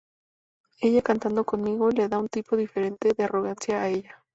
Ella cantando conmigo, le da un tipo diferente de arrogancia a ella".